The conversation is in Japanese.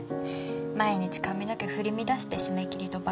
毎日髪の毛振り乱して締め切りとバトルしてる。